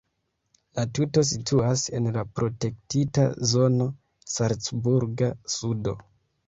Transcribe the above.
La tuto situas en la protektita zono "Salcburga sudo".